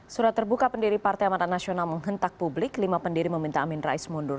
surat terbuka pendiri partai amanat nasional menghentak publik lima pendiri meminta amin rais mundur